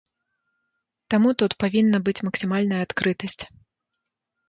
Таму тут павінна быць максімальная адкрытасць.